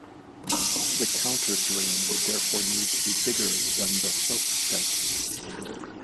The counter drain would therefore need to be bigger than the soak dike.